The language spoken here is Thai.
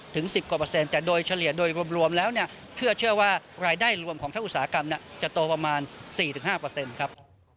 ถึง๑๐กว่าเปอร์เซ็นแต่โดยเฉลี่ยโดยรวมแล้วเนี่ยเชื่อว่ารายได้รวมของทั้งอุตสาหกรรมจะโตประมาณ๔๕ครับ